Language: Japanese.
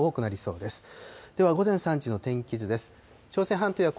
では午前３時の天気図です。